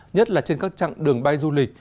nhất là trên các trạng đường bay du lịch